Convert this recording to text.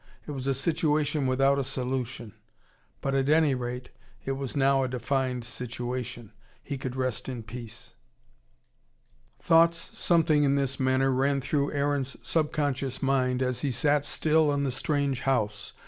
It was a situation without a solution. But at any rate, it was now a defined situation. He could rest in peace. Thoughts something in this manner ran through Aaron's subconscious mind as he sat still in the strange house.